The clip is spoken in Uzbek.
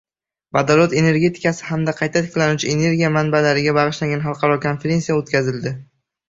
Vodorod energetikasi hamda qayta tiklanuvchi energiya manbalariga bag‘ishlangan xalqaro konferensiya o‘tkazildi